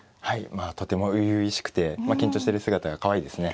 まあとても初々しくて緊張している姿がかわいいですね。